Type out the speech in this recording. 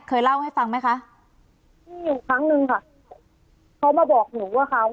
เคยเล่าให้ฟังไหมคะมีอยู่ครั้งหนึ่งค่ะเขามาบอกหนูว่าเขา